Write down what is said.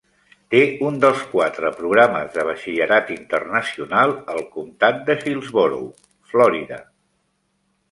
Té un dels quatre programes de batxillerat internacional al comtat de Hillsborough, Florida.